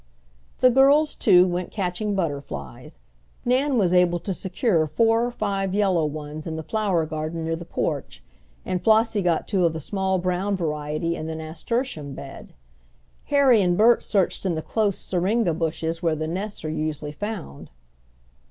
The girls, too, went catching butterflies. Nan was able to secure four or five yellow ones in the flower garden near the porch, and Flossie got two of the small brown variety in the nasturtium bed. Harry and Bert searched in the close syringa bushes where the nests are usually found.